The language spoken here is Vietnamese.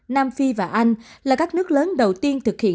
nam phi và anh là các nước lớn đầu tiên thực hiện